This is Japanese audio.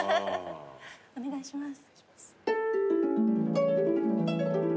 お願いします。